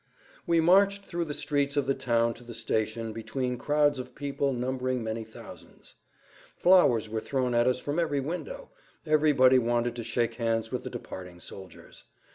We marched through the streets of the town to the station between crowds of people numbering many thousands. Flowers were thrown at us from every window; everybody wanted to shake hands with the departing soldiers.